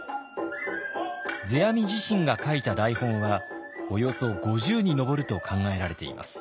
世阿弥自身が書いた台本はおよそ５０に上ると考えられています。